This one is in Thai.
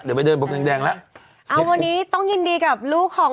เอาวันนี้ต้องยินดีกับลูกของ